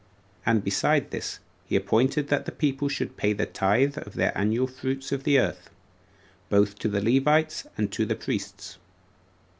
And besides this, he appointed that the people should pay the tithe of their annual fruits of the earth, both to the Levites and to the priests.